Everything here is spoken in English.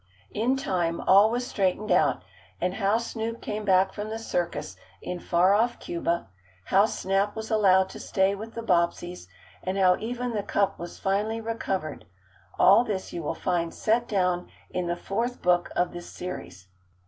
In time all was straightened out, and how Snoop came back from the circus in far off Cuba, how Snap was allowed to stay with the Bobbseys, and how even the cup was finally recovered all this you will find set down in the fourth book of this series.